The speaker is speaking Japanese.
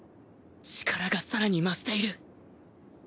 力がさらに増している